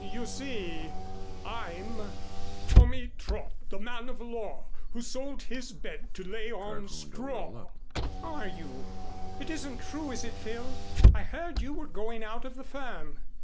You see I'm "'Tommy Trot, the man of law, Who sold his bed to lay on straw.'" "Are you? It isn't true, is it, Phil? I heard you were going out of the firm."